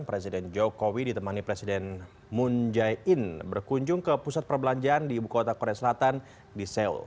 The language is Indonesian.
presiden jokowi ditemani presiden moon jae in berkunjung ke pusat perbelanjaan di ibu kota korea selatan di seoul